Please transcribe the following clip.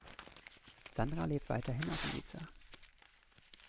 Sandra lebt weiterhin auf Ibiza.